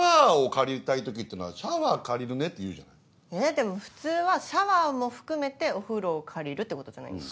でも普通はシャワーも含めてお風呂を借りるってことじゃないんですか？